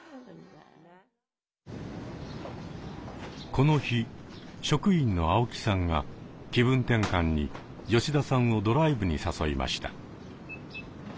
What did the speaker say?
この日職員の青木さんが気分転換に吉田さんをドライブに誘いました。